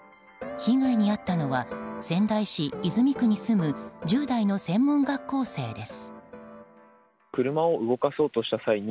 被害に遭ったのは仙台市泉区に住む１０代の専門学校生です。